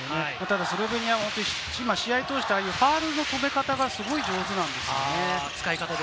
スロベニアは、試合を通してファウルの止め方が上手なんですよね。